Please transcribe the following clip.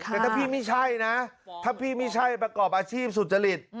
แต่ถ้าพี่ไม่ใช่นะถ้าพี่ไม่ใช่ประกอบอาชีพสุจริต